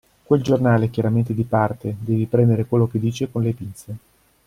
Quel giornale è chiaramente di parte, devi prendere quello che dice con le pinze.